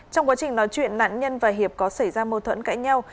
trong quá trình nói chuyện nạn nhân và hiệp có xảy ra mâu thuẫn cãi nhau